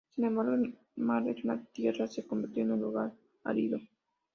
Sin embargo, el mar es una tierra se convirtió en un lugar árido.